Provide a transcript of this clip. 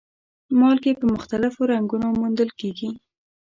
مالګې په مختلفو رنګونو موندل کیږي.